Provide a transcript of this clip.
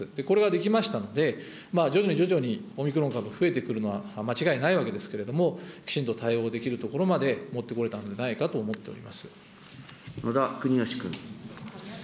これができましたので、徐々に徐々にオミクロン株、増えてくるのは間違いないわけですけれども、きちんと対応ができるところまで持ってこれたのではないかと思っ野田国義君。